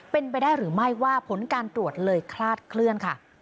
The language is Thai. เป็นไปได้หรือไม่ว่าผลการตรวจเลยคลาดเคลื่อนค่ะ